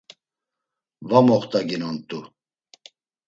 Va moxtaginont̆u.